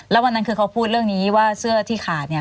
แล้ววันนั้นคือเขาพูดเรื่องนี้ว่าเสื้อที่ขาดเนี่ย